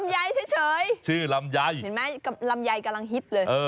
ลำยัยเฉยเฉยชื่อลำยัยเห็นไหมลำยัยกำลังฮิตเลยเออ